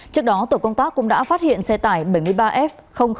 trước đó tổ công tác cũng đã phát hiện xe tải bảy mươi ba f hai trăm bốn mươi hai